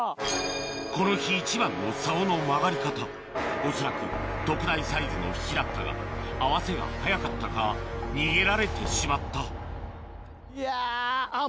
この日一番の竿の曲がり方恐らく特大サイズの引きだったが合わせが早かったか逃げられてしまったいやあっ